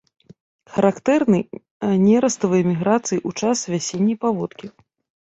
Характэрны нераставыя міграцыі ў час вясенняй паводкі.